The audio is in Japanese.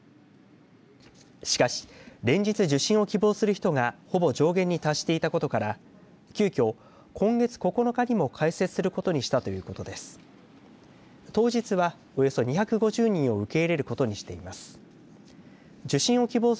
しかし、連日受診を希望する人がほぼ上限に達していたことから、急きょ今月９日にも開設することにしたということです。